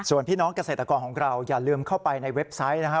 ส่วนพี่น้องเกษตรกรของเราอย่าลืมเข้าไปในเว็บไซต์นะฮะ